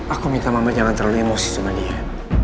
aku minta mama jangan terlalu emosi sama dia